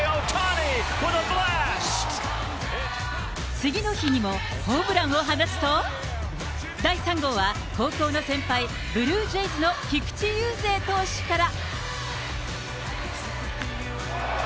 次の日にもホームランを放つと、第３号は、高校の先輩、ブルージェイズの菊池雄星投手から。